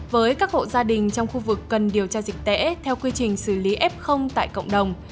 với các hộ gia đình trong khu vực cần điều tra dịch tễ theo quy trình xử lý f tại cộng đồng